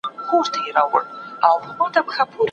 لښتې غوښتل چې د غره سر ته په منډه لاړه شي.